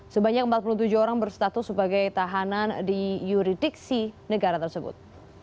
sebanyak empat puluh tujuh orang berstatus sebagai tahanan di yuridiksi negara tersebut